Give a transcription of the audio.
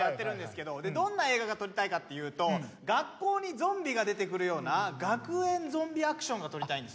どんな映画が撮りたいかっていうと学校にゾンビが出てくるような学園ゾンビアクションが撮りたいんですよ。